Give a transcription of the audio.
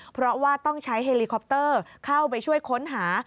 เพราะว่าต้องใช้เฮลิคอปเตอร์เข้าไปช่วยค้นหา